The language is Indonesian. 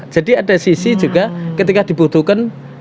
jadi ada sisi juga ketika dibutuhkan